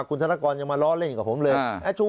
แล้วคุณศาลการยังมาล้อเล่นกันกับผมเลย